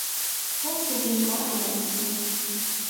好似見過一兩次